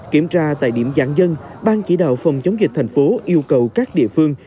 kiểm tra tại điểm giãn dân bang chỉ đạo phòng chống dịch thành phố yêu cầu các địa phương